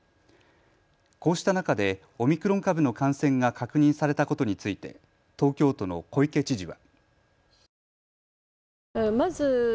こうした中でオミクロン株の感染が確認されたことについて東京都の小池知事は。